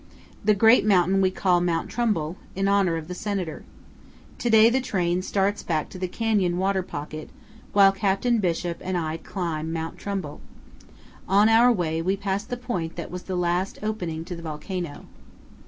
The great mountain we call Mount Trumbull, in honor of the senator. To day the train starts back to the canyon water pocket, while Captain Bishop and 324 CANYONS OF THE COLORADO. I climb Mount Trumbull. On our way we pass the point that was the last opening to the volcano.